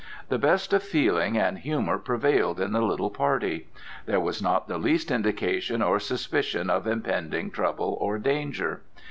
The best of feeling and humor prevailed in the little party. There was not the least indication or suspicion of impending trouble or danger.